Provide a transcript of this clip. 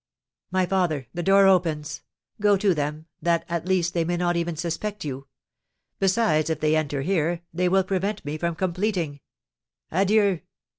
"My father, the door opens; go to them, that, at least, they may not even suspect you. Besides, if they enter here, they will prevent me from completing, adieu!"